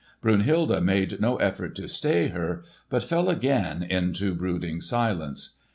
Brunhilde made no effort to stay her, but fell again into brooding silence.